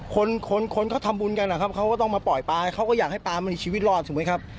คนคนเขาทำบุญกันนะครับเขาก็ต้องมาปล่อยปลาเขาก็อยากให้ปลามันมีชีวิตรอดถูกไหมครับ